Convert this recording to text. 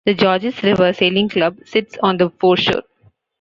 The Georges River Sailing Club sits on the foreshore.